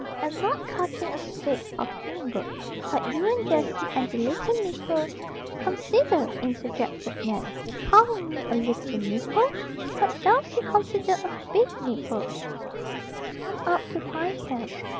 Am not cutting a stick of timber. But you and Jessie and the little nipper," ("Consider!" interjected Nan, "calling me 'a little nipper'! What does he consider a big 'nipper'?") "come up to Pine Camp.